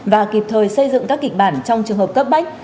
và kịp thời xây dựng các kịch bản trong trường hợp cấp bách